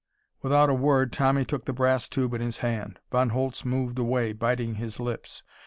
Without a word, Tommy took the brass tube in his hand. Von Holtz moved away, biting his lips.